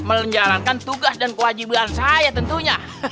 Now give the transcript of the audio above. menjalankan tugas dan kewajiban saya tentunya